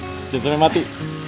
jangan sampai mati